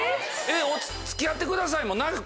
付き合ってくださいもなく？